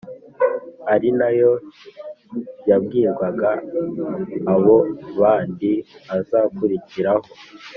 ari na yo yabwirwaga abo bandi bazakurikiraho